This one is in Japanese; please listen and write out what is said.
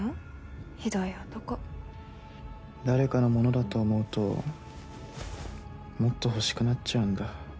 ひどい男誰かのものだと思うともっと欲しくなっちゃうんだ